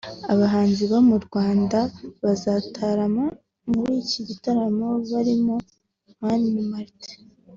Abahanzi bo mu Rwanda bazatarama muri iki gitaramo barimo Mani Martin